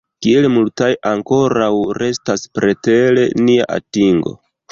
Kiel multaj ankoraŭ restas preter nia atingo!